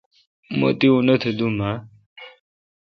مہ تی انت دوم اں